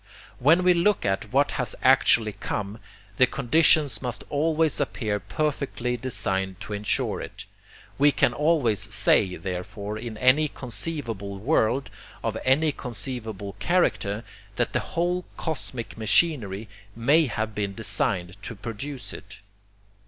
When we look at what has actually come, the conditions must always appear perfectly designed to ensure it. We can always say, therefore, in any conceivable world, of any conceivable character, that the whole cosmic machinery MAY have been designed to produce it.